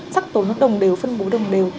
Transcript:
sắc tố nó đồng đều phân bố đồng đều